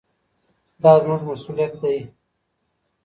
دا زموږ مسووليت دی.